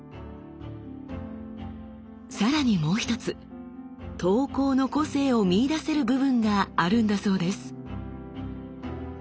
さらにもう一つ刀工の個性を見いだせる部分があるんだそうです。